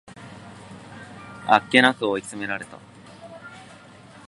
あっけなく追い詰められた